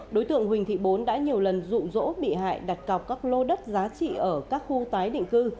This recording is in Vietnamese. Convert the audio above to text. đối tượng huỳnh thị bốn đã nhiều lần rụ rỗ bị hại đặt cọc các lô đất giá trị ở các khu tái định cư